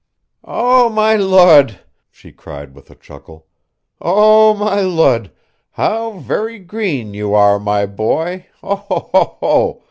"Oh, my lud!" she cried with a chuckle. "Oh, my lud! how very green you are, my boy. Oh ho! oh ho!"